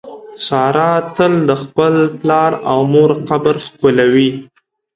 ساره تل د خپل پلار او مور قبر ښکلوي.